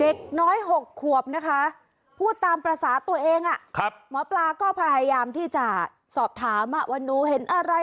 เด็กน้อย๖ขวบนะคะพูดตามภาษาตัวเองหมอปลาก็พยายามที่จะสอบถามว่าหนูเห็นอะไร